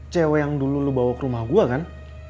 cewek yang dulu kamu bawa ke rumah saya bukan